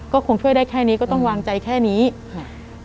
ก็คงช่วยได้แค่นี้ก็ต้องวางใจแค่นี้ค่ะ